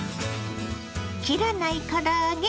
切らないから揚げ